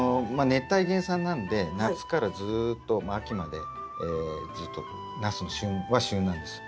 熱帯原産なんで夏からずっと秋までずっとナスの旬は旬なんです。